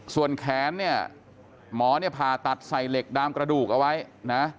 ส่วนแขนเนี่ยหมอเนี่ยผ่าตัดใส่เหล็กดามกระดูกเอาไว้นะ